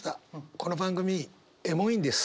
この番組エモいんです。